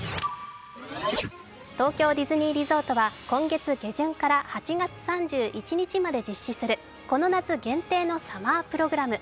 東京ディズニーリゾートは今月下旬から８月３１日まで実施するこの夏限定のサマープログラム